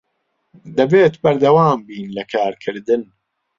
دەبێت بەردەوام بین لە کارکردن.